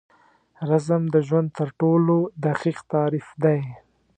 رزم د ژوند تر ټولو دقیق تعریف دی.